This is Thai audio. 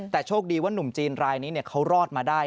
แต่โชคดีว่านุ่มจีนรายนี้เขารอดมาได้